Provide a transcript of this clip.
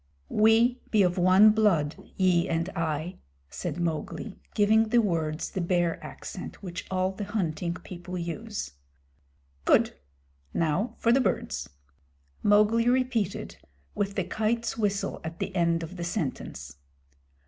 "We be of one blood, ye and I," said Mowgli, giving the words the Bear accent which all the Hunting People use. "Good. Now for the birds." Mowgli repeated, with the Kite's whistle at the end of the sentence.